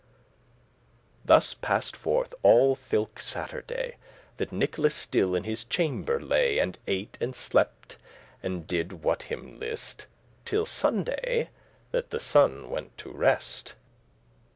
Thus passed forth all thilke* Saturday, *that That Nicholas still in his chamber lay, And ate, and slept, and didde what him list Till Sunday, that* the sunne went to rest.